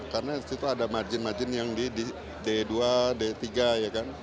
karena disitu ada margin margin yang di d dua d tiga ya kan